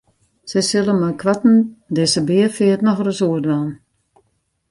Sy sille meikoarten dizze beafeart nochris oerdwaan.